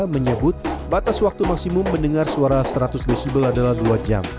menyebut batas waktu maksimum mendengar suara seratus dosible adalah dua jam